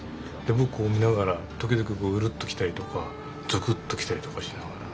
僕見ながら時々ウルッときたりとかゾクッときたりとかしながら。